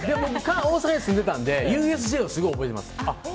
僕は大阪に住んでたのでＵＳＪはすごい覚えてます。